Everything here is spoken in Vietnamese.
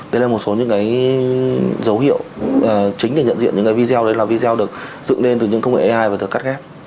đây là một số những cái dấu hiệu chính để nhận diện những cái video đấy là video được dựng lên từ những công nghệ ai và được cắt ghép